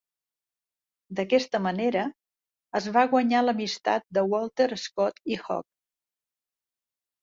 D'aquesta manera, es va guanyar l'amistat de Walter Scott i Hogg.